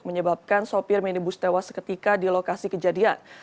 menyebabkan sopir minibus tewas seketika di lokasi kejadian